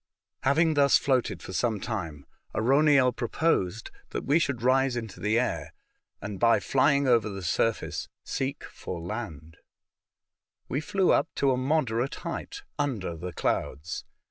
Having thus floated for some time, Arauniel proposed that we should rise into the air, and M 2 164 A Voyage to Other Worlds. by flying over the surface seek for land. We flew up to a moderate heiglit, under the clouds.